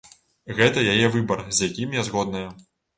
Гэта яе выбар, з якім я згодная.